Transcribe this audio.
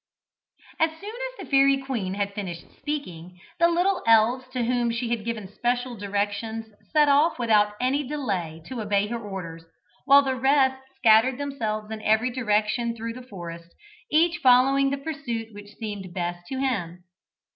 As soon as the fairy queen had finished speaking, the little elves to whom she had given special directions set off without any delay to obey her orders, while the rest scattered themselves in every direction through the forest, each following the pursuit which seemed best to him.